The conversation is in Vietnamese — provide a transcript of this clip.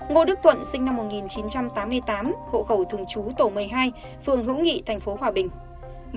ngô đức tuận sinh năm một nghìn chín trăm tám mươi tám hộ khẩu thường chú tổ một mươi hai phường hữu nghị thành phố hòa bình